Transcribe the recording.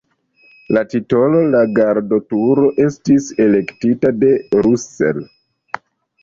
La titolo "La Gardoturo" estis elektita de Russell.